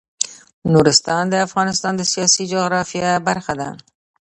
نورستان د افغانستان د سیاسي جغرافیه برخه ده.